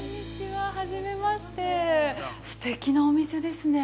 ◆初めましてすてきなお店ですね。